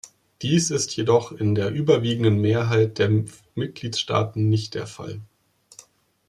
Dies ist jedoch in der überwiegenden Mehrheit der Mitgliedstaaten nicht der Fall.